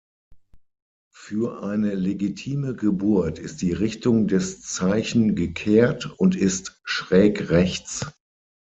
Für eine legitime Geburt ist die Richtung des Zeichen gekehrt und ist schrägrechts.